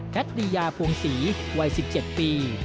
คดียาพวงศรีวัย๑๗ปี